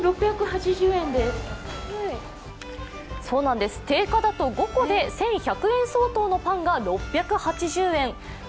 そうなんです、定価だと５個で１１００円相当のパンが６８０円。